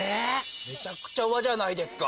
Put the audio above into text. めちゃくちゃ和じゃないですか。